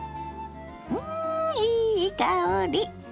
うんいい香り！